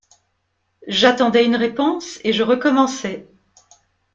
J’attendais une réponse et je recommençais.